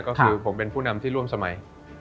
ก็คือผมเป็นผู้นำที่ร่วมสมัย